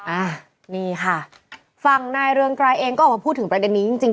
อ่านี่ค่ะฝั่งนายเรืองไกรเองก็ออกมาพูดถึงประเด็นนี้จริงจริง